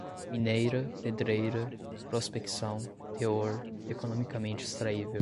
mineira, pedreira, prospecção, teor, economicamente extraível